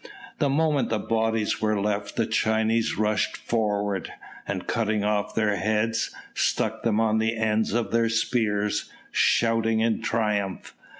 The moment the bodies were left the Chinese rushed forward, and cutting off their heads, stuck them on the ends of their spears, shouting in triumph.